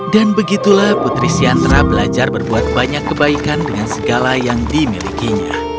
dan begitulah putri siantra belajar berbuat banyak kebaikan dengan segala yang dimilikinya